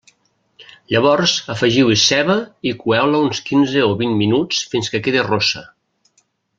Llavors afegiu-hi ceba i coeu-la uns quinze o vint minuts fins que quedi rossa.